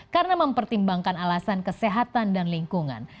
karena mempertimbangkan alasan kesehatan dan lingkungan